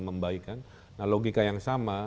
membaikkan nah logika yang sama